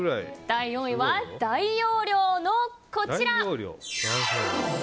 第４位は大容量のこちら。